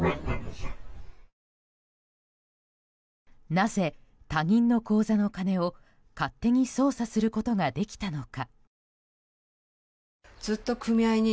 なぜ他人の口座の金を、勝手に操作することができたのか。